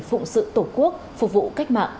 phụng sự tổ quốc phục vụ cách mạng